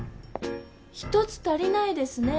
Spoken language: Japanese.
１つ足りないですねぇ